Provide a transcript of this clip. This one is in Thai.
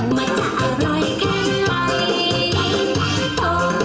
ว่าฉันไปต่อหน้ารู้นะค้า